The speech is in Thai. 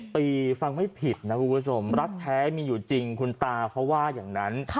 ปีฟังไม่ผิดนะคุณผู้ชมรักแท้มีอยู่จริงคุณตาเขาว่าอย่างนั้น